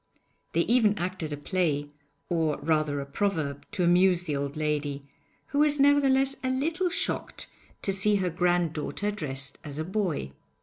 They even acted a play or, rather, a proverb to amuse the old lady, who was nevertheless a little shocked to see her granddaughter dressed as a boy.